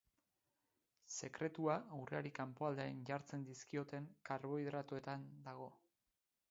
Sekretua urreari kanpoaldean jartzen dizkioten karbohidratoetan dago.